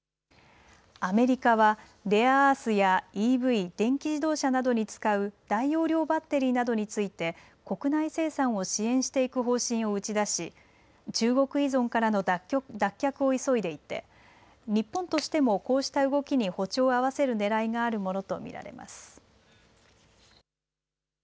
アメリカはレアアースやＥＶ・電気自動車などに使う大容量バッテリーなどについて国内生産を支援していく方針を打ち出し中国依存からの脱却を急いでいて日本としてもこうした動きに歩調を合わせるねらいがあるものと見られます。